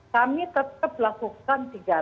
kami tetap lakukan tiga t